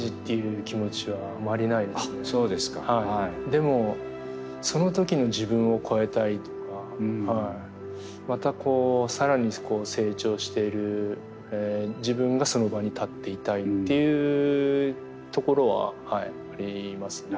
でもその時の自分を超えたいとかまた更に成長している自分がその場に立っていたいというところはありますね。